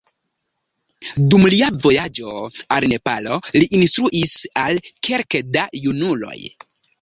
Dum lia vojaĝo al Nepalo, li instruis al kelke da junuloj.